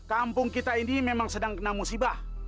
kampung kita ini memang sedang kena musibah